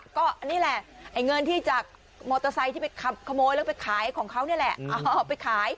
ก็นี่แหละไอ้เงินที่จากโมทอไซค์ที่ไปขับขโมยแล้วก็ไปขายของเขาเนี่ยแหละ